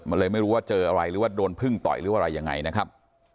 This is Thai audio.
มันเลยไม่รู้ว่าเจออะไรหรือว่าโดนพึ่งต่อยหรืออะไรยังไงนะครับ